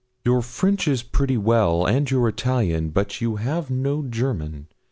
'Your French is pretty well, and your Italian; but you have no German.